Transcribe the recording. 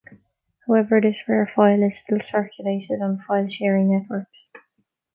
However, this rare file is still circulated on file sharing networks.